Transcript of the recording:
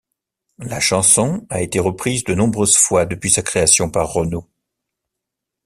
La chanson a été reprise de nombreuses fois depuis sa création par Renaud.